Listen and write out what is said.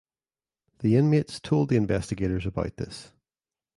The inmates told the investigators about this.